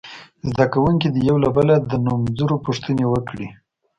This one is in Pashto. زده کوونکي دې یو له بله د نومځرو پوښتنې وکړي.